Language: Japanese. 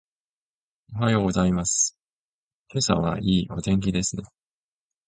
おはようございます。今朝はいいお天気ですね。